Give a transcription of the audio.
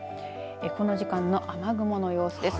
この時間の雨雲の様子です。